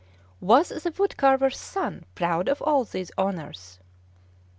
Was the wood carver's son proud of all these honors?